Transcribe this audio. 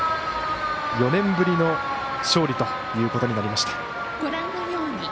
４年ぶりの勝利ということになりました。